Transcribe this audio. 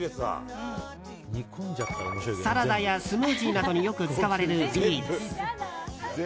サラダやスムージーなどによく使われるビーツ。